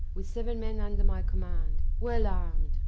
with seven men under my command, well armed.